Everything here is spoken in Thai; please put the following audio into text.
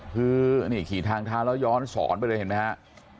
คือนี่ขี่ทางเท้าแล้วย้อนสอนไปเลยเห็นไหมฮะ